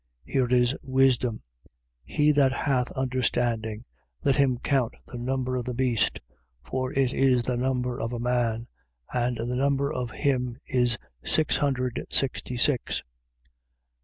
13:18. Here is wisdom. He that hath understanding, let him count the number of the beast. For it is the number of a man: and the number of him is six hundred sixty six.